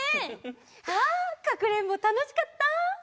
ああかくれんぼたのしかった。